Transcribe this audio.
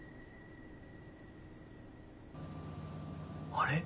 あれ？